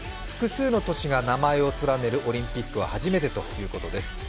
複数の都市が名前を連ねるオリンピックは初めてということです。